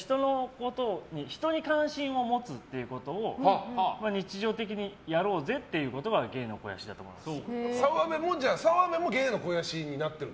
人に関心を持つということを日常的にやろうぜということが澤部も芸の肥やしになってると。